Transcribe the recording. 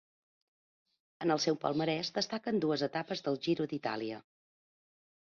En el seu palmarès destaquen dues etapes del Giro d'Itàlia.